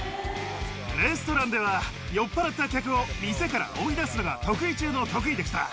レストランでは、酔っぱらった客を店から追い出すのが得意中の得意でした。